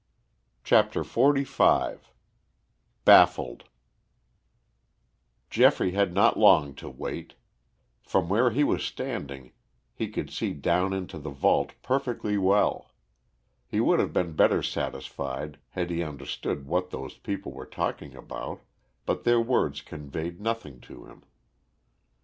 CHAPTER XLV BAFFLED Geoffrey had not long to wait. From where he was standing he could see down into the vault perfectly well. He would have been better satisfied had he understood what those people were talking about, but their words conveyed nothing to him.